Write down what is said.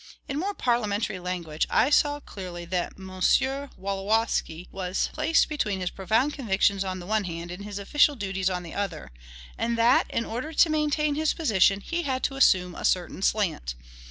In more parliamentary language, I saw clearly that M. Wolowski was placed between his profound convictions on the one hand and his official duties on the other, and that, in order to maintain his position, he had to assume a certain slant.